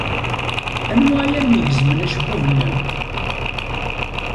Anwa ay am-igezmen acebbub-nnem?